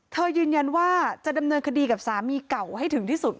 ยืนยันว่าจะดำเนินคดีกับสามีเก่าให้ถึงที่สุด